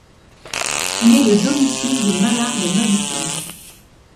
Il est le domicile des Mallards de Madison.